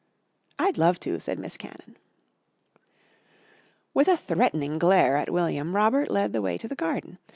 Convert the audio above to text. "I'd love to," said Miss Cannon. With a threatening glare at William, Robert led the way to the garden.